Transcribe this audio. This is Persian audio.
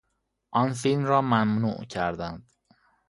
آن فیلم را ممنوع کردند.